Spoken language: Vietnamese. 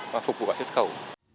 mà phục vụ sát khẩu